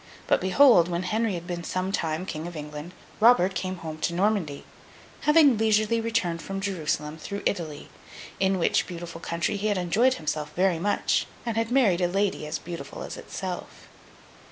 But, behold, when Henry had been some time King of England, Robert came home to Normandy; having leisurely returned from Jerusalem through Italy, in which beautiful country he had enjoyed himself very much, and had married a lady as beautiful as itself!